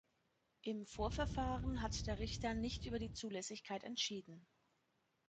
Im Vorverfahren hat der Richter nicht über die Zulässigkeit entschieden.